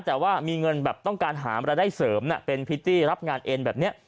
แต่ว่ามีเงินแบบต้องการหารายได้เสริมเป็นพริตตี้รับงานเอ็นแบบนี้